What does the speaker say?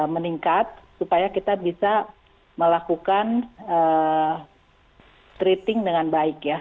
meningkat supaya kita bisa melakukan treating dengan baik ya